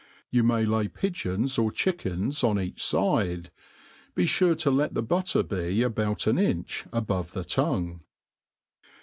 You may lay pigeons or chickens on each fide ; befure to let the butter be about an inch above the tongue.